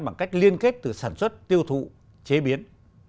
bằng cách liên kết từ sản xuất tiêu thụ chế biến